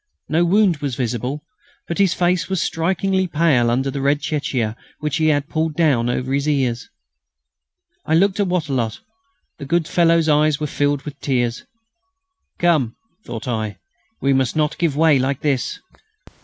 No wound was visible, but his face was strikingly pale under the red chéchia which had been pulled down over his ears. I looked at Wattrelot. The good fellow's eyes were filled with tears. "Come!" thought I, "we must not give way like this."